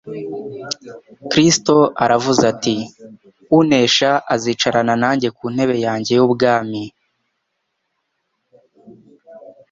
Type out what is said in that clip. Kristo aravuga ati : «Unesha azicarana nanjye ku ntebe yanjye y'ubwami